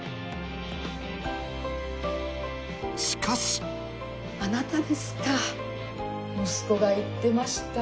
しかしあなたですか息子が言ってました。